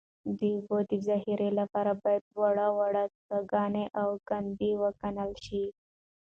د اوبو د ذخیرې لپاره باید واړه واړه څاګان او کندې وکیندل شي